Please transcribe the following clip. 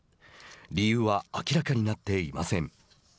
理由は明らかになっていません。